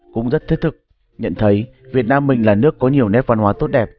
cũng rất thiết thực nhận thấy việt nam mình là nước có nhiều nét văn hóa tốt đẹp